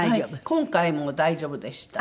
今回も大丈夫でした。